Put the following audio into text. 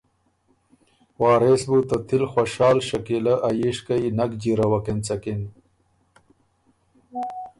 وارث بُو ته تِل خوشال شکیلۀ ا ييشکئ نک جیروَک اېنڅکِن